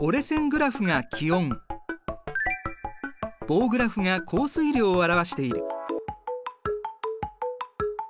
棒グラフが降水量を表している。